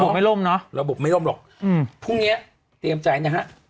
ไม่ล่มเนอะระบบไม่ล่มหรอกอืมพรุ่งเนี้ยเตรียมใจนะฮะ